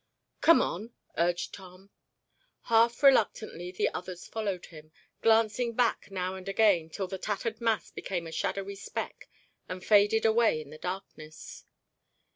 "Come on," urged Tom. Half reluctantly the others followed him, glancing back now and again till the tattered mass became a shadowy speck and faded away in the darkness.